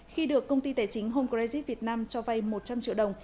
khi được công ty tài chính home credit việt nam cho vay một trăm linh triệu đồng